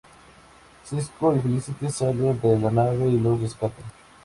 Cisco y Felicity salen de la nave y los rescatan.